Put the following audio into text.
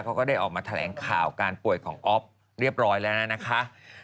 ก็ได้ออกมาแถลงข่าวการป่วยของอ๊อฟเรียบร้อยแล้วนะคะ